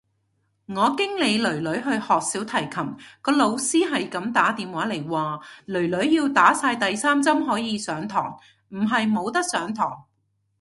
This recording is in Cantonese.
我經理囡囡去學小提琴，個老師係咁打電話嚟話，囡囡要打晒第三針可以上堂，唔係冇得上堂。